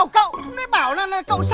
chứ mày đi lâu rồi